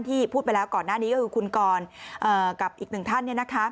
พูดไปแล้วก่อนหน้านี้ก็คือคุณกรกับอีกหนึ่งท่าน